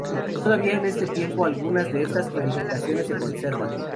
Todavía en este tiempo algunas de estas edificaciones se conservan.